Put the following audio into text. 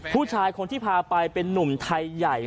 ผู้ชายคนที่พาไปเป็นนุ่มไทยใหญ่